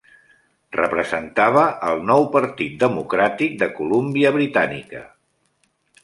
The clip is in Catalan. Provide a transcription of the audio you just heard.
Representava el Nou Partit Democràtic de Colúmbia Britànica.